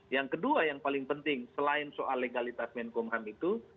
yang kedua yang paling penting selain soal legalitas menkumham itu